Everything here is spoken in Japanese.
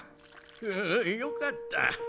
うんうんよかった。